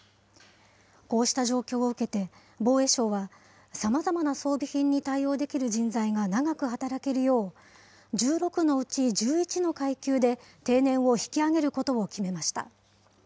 こうした状況を受けて、防衛省は、さまざまな装備品に対応できる人材が長く働けるよう、１６のうち１１の階級で定年を引き上げることを決めました。